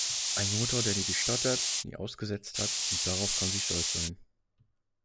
Ein Motor, der nie gestottert, nie ausgesetzt hat, und darauf können Sie stolz sein.